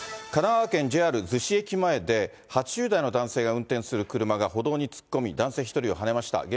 神奈川県、ＪＲ逗子駅前で８０代の男性が運転する車が歩道に突っ込み、男性１人をはねました。